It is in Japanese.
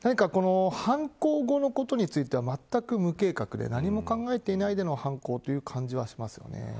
犯行後のことについてはまったく無計画で、何も考えていない上での犯行という感じがします。